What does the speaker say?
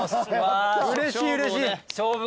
うれしいうれしい。